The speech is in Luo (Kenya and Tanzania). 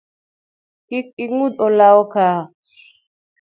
Kik ing’udh olawo ka